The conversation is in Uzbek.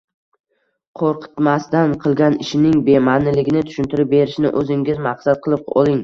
Qo‘rqitmasdan, qilgan ishining bema’niligini tushuntirib berishni o‘zingizga maqsad qilib oling.